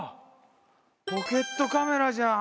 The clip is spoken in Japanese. ポケットカメラじゃん！